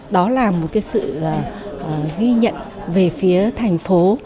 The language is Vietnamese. đó là một sự ghi nhận về phía thành phố